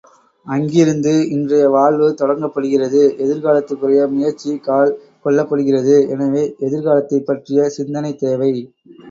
அங்கிருந்து இன்றைய வாழ்வு தொடங்கப்படுகிறது எதிர்காலத்திற்குரிய முயற்சி கால் கொள்ளப்படுகிறது எனவே, எதிர்காலத்தைப் பற்றிய சிந்தனை தேவை.